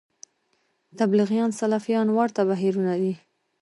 تبلیغیان سلفیان ورته بهیرونه دي